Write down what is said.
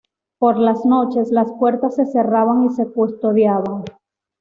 Por las noches las puertas se cerraban y se custodiaban.